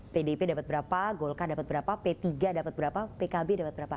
pdip dapat berapa golkar dapat berapa p tiga dapat berapa pkb dapat berapa